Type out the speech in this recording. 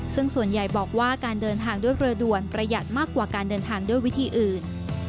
ซึ่งส่วนใหญ่บอกว่าการเดินทางด้วยเรือด่วนประหยัดมากกว่าการเดินทางด้วยวิธีอื่น